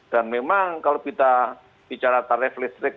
dan memang kalau kita bicara tarif listrik